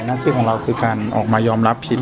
หน้าที่ของเราคือการออกมายอมรับผิด